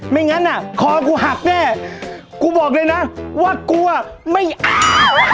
ไม่งั้นอ่ะคอกูหักแน่กูบอกเลยนะว่ากลัวไม่อาบ